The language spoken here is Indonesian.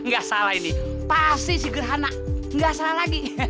gak salah ini pasti si gerhana gak salah lagi